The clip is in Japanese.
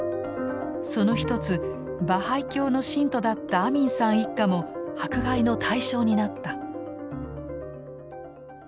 その一つバハイ教の信徒だったアミンさん一家も迫害の対象になった。